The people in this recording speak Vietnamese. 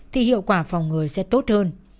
thì hiệu quả phòng ngừa sẽ tốt hơn